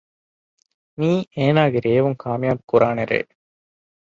މިއީ އޭނާގެ ރޭވުން ކާމިޔާބު ކުރާނެ ރޭ